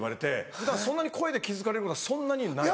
普段そんなに声で気付かれるのがそんなにない。